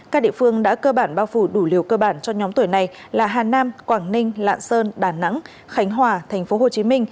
các địa phương đã cơ bản bao phủ đủ liều cơ bản cho nhóm tuổi này là hà nam quảng ninh lạng sơn đà nẵng khánh hòa tp hcm